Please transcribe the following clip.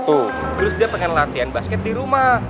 oh terus dia pengen latihan basket di rumah